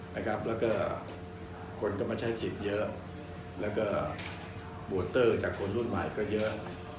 แล้วก็คนก็มาใช้สิทธิ์เยอะแล้วก็โบเตอร์จากคนรุ่นใหม่ก็เยอะ